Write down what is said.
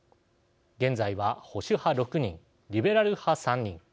現在は保守派６人リベラル派３人。